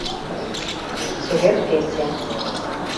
«Чевер кече